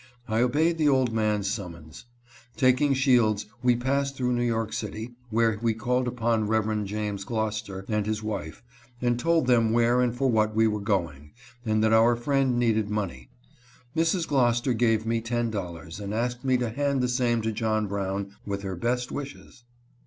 I obeyed the old man's summons. Taking Shields, we passed through New York city, where we called upon Rev. James Glocester and his wife, and told them where and for what we were going, and that our> old friend needed money. Mrs. Glocester gave me ten dollars, and asked me to hand the same to John Brown, with her best wishes.